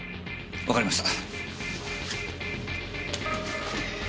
わかりました。